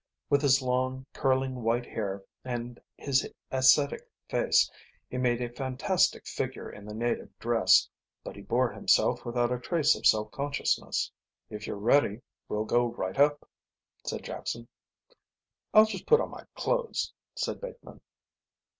With his long, curling white hair and his ascetic face he made a fantastic figure in the native dress, but he bore himself without a trace of self consciousness. "If you're ready we'll go right up," said Jackson. "I'll just put on my clothes," said Bateman.